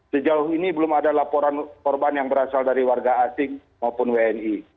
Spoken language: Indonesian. sejauh ini belum ada laporan korban yang berasal dari warga asing maupun wni